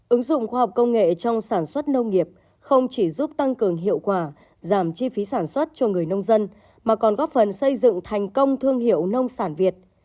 ứng dụng khoa học công nghệ trong sản xuất nông nghiệp không chỉ giúp tăng cường hiệu quả giảm chi phí sản xuất cho người nông dân mà còn góp phần xây dựng thành công thương hiệu nông sản việt